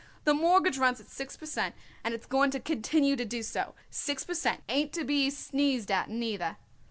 The mortgage runs at 6 per cent., and it's going to continue to do so. Six per cent. ain't to be sneezed at, neither."